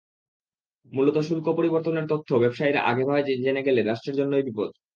মূলত শুল্ক পরিবর্তনের তথ্য ব্যবসায়ীরা আগেভাগে জেনে গেলে রাষ্ট্রের জন্যই বিপদ।